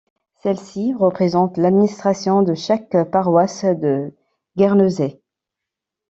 Celle-ci représente l'administration de chaque paroisse de Guernesey.